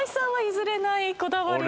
譲れないこだわりは？